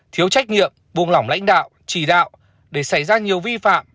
thiếu trách nhiệm buông lỏng lãnh đạo chỉ đạo để xảy ra nhiều vi phạm